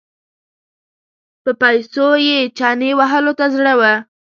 په پیسو یې چنې وهلو ته زړه و.